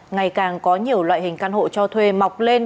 ngày càng có nhiều loại hình căn hộ cho thuê mọc lên